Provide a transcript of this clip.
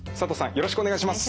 よろしくお願いします。